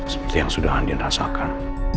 seperti yang sudah andin rasakan